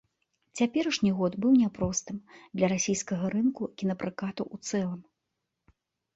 Цяперашні год быў няпростым для расійскага рынку кінапракату ў цэлым.